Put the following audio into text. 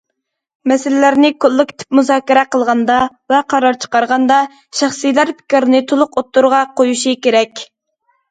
مەسىلىلەرنى كوللېكتىپ مۇزاكىرە قىلغاندا ۋە قارار چىقارغاندا، شەخسلەر پىكرىنى تولۇق ئوتتۇرىغا قويۇشى كېرەك.